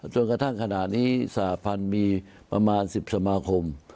จนกระทั่งขณะนี้สหพันธ์มีประมาณ๑๐สมาคม